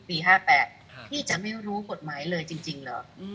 ปี๕๘พี่จะไม่รู้กฎหมายเลยจริงเหรอ